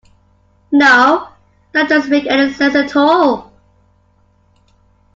No, that doesn't make any sense at all.